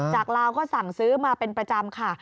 ลาวก็สั่งซื้อมาเป็นประจำค่ะ